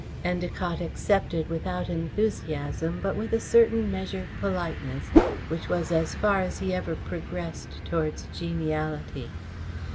Endacott accepted without enthusiasm, but with a certain measured politeness, which was as far as he ever progressed towards geniality.